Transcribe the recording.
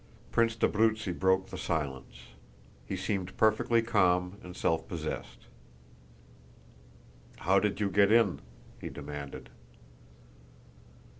Prince d'Abruzzi broke the silence. He seemed perfectly calm and self possessed. "How did you get in?" he demanded.